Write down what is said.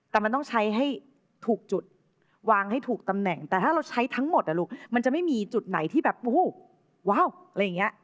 แต่มันต้องใช้ให้ถูกจุดวางให้ถูกตำแหน่งแต่ถ้าเราใช้ทั้งหมดอ่ะลูกมันจะไม่มีจุดไหนที่แบบว้าวอะไรอย่างนี้